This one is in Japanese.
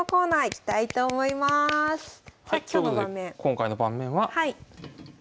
今回の盤面は。